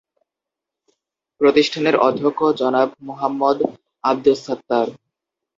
প্রতিষ্ঠানের অধ্যক্ষ জনাব মোহাম্মদ আবদুস সাত্তার।